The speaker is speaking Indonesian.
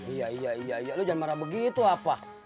iya iya iya lu jangan marah begitu apa